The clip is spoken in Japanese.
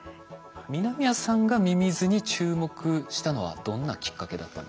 南谷さんがミミズに注目したのはどんなきっかけだったんでしょうか？